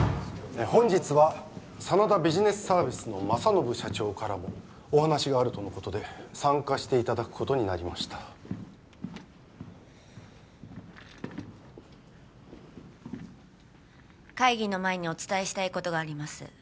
本日は真田ビジネスサービスの政信社長からもお話があるとのことで参加していただくことになりました会議の前にお伝えしたいことがあります